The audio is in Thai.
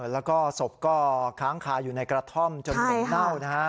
แล้วก็ศพก็ค้างคาอยู่ในกระท่อมจนเหม็นเน่านะฮะ